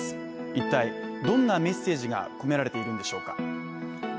一体、どんなメッセージが込められているんでしょうか。